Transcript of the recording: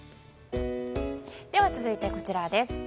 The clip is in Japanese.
続いて、こちらです。